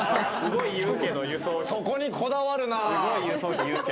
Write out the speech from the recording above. そこに、こだわるな。